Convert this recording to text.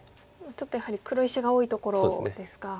ちょっとやはり黒石が多いところですか。